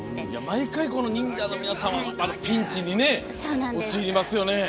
毎回、忍者の皆さんはピンチに陥りますよね。